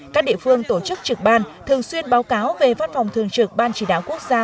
các địa phương tổ chức trực ban thường xuyên báo cáo về văn phòng thường trực ban chỉ đạo quốc gia